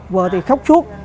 vợ thì khóc suốt